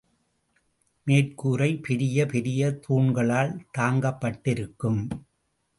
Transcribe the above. மேற்கூரை பெரிய பெரிய தூண்களால் தாங்கப்பட்டிருக்கும்.